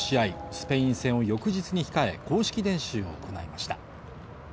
スペイン戦を翌日に控え公式練習を行いました